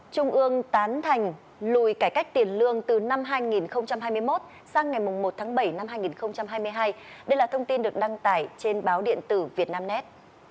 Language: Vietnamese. trung ương tán thành lùi cải cách tiền lương từ năm hai nghìn hai mươi một sang ngày một tháng bảy năm hai nghìn hai mươi hai đây là thông tin được đăng tải trên báo điện tử việt nam nét